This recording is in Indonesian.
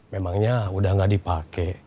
memangnya udah gak dipake